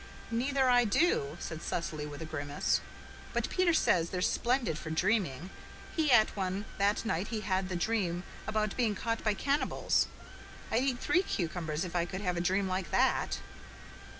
"Neither I do," said Cecily with a grimace. "But Peter says they're splendid for dreaming. He et one that night he had the dream about being caught by cannibals. I'd eat three cucumbers if I could have a dream like that."